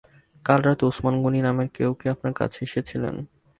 কাল রাতে ওসমান গনি নামের কেউ কি আপনার কাছে এসেছিলেন?